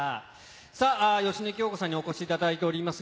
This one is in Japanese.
芳根京子さんにお越しいただいています。